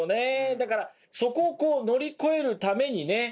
だからそこを乗り越えるためにね